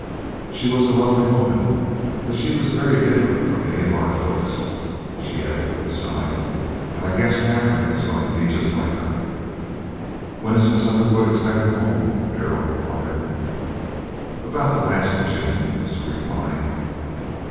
"She was a lovely woman, but she was very different from any of our folks," she added, with a sigh, "and I guess Katherine is going to be just like her." "When is Miss Underwood expected home?" Darrell inquired. "About the last of June," was the reply.